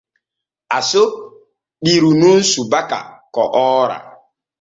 Aso ɓiru nun subaka ko oora.